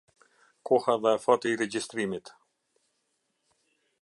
Koha dhe afati i Regjistrimit.